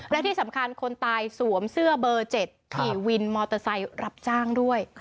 และที่สำคัญคนตายสวมเสื้อเบอร์๗ขี่วินมอเตอร์ไซค์รับจ้างด้วย